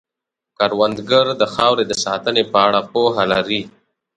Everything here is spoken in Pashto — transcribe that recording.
کروندګر د خاورې د ساتنې په اړه پوهه لري